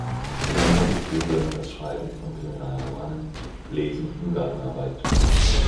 Zu seinen Hobbys gehören das Schreiben von Kriminalromanen, Lesen und Gartenarbeit.